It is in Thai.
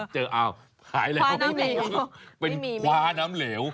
เจออ้าวหายแล้วคว้าน้ำเหลวเป็นคว้าน้ำเหลว